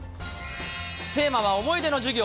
テーマは思い出の授業。